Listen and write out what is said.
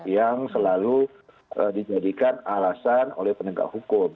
yang selalu dijadikan alasan oleh penegak hukum